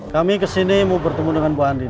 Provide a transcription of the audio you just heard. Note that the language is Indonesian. kami kesini mau bertemu dengan bu andi